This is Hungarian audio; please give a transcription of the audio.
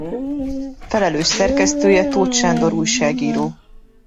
Felelős szerkesztője Tóth Sándor újságíró.